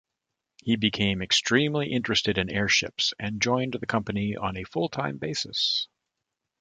He became extremely interested in airships, and joined the company on a full-time basis.